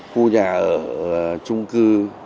cô nhà ở chung cư